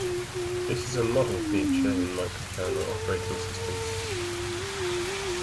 This is a model feature in microkernel operating systems.